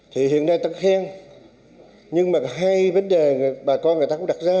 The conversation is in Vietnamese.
thì hiện nay ta khen nhưng mà hai vấn đề bà con người ta cũng đặt ra